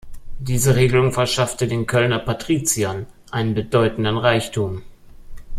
Diese Regelung verschaffte den Kölner Patriziern einen bedeutenden Reichtum.